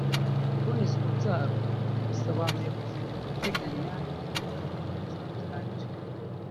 kuboneza urubyaro bisobanuye kumenya guteganya igihe ushaka kuzabyarira